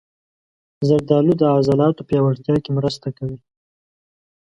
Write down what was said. زردالو د عضلاتو پیاوړتیا کې مرسته کوي.